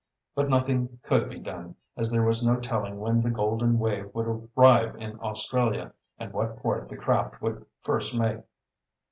But nothing could be done, as there was no telling when the Golden Wave would arrive at Australia, and what port the craft would first make.